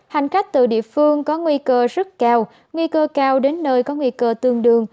hành khách từ địa phương có nguy cơ rất cao nguy cơ cao đến nơi có nguy cơ tương đương